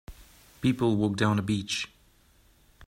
People walk down a beach.